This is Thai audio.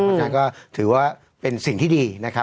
เพราะฉะนั้นก็ถือว่าเป็นสิ่งที่ดีนะครับ